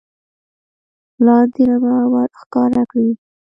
لاندې رمه ور ښکاره کړي .